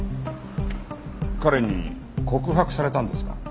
彼に告白されたんですか？